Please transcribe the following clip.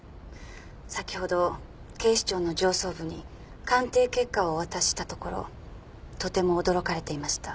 先ほど警視庁の上層部に鑑定結果をお渡ししたところとても驚かれていました。